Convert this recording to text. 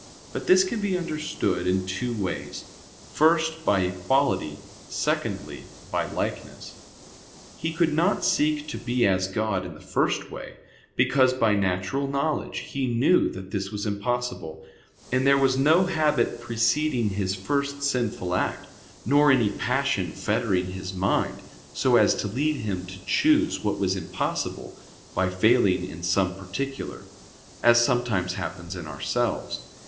But this can be understood in two ways: first, by equality; secondly, by likeness. He could not seek to be as God in the first way; because by natural knowledge he knew that this was impossible: and there was no habit preceding his first sinful act, nor any passion fettering his mind, so as to lead him to choose what was impossible by failing in some particular; as sometimes happens in ourselves.